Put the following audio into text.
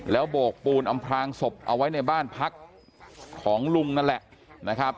แล้วโบกปูนอำพลางศพเอาไว้ในบ้านพักของลุงนั่นแหละนะครับ